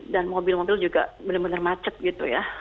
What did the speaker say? dan mobil mobil juga benar benar macep gitu ya